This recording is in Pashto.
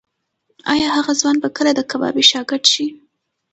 ایا هغه ځوان به کله د کبابي شاګرد شي؟